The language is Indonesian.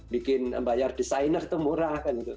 bikin bayar desainer itu murah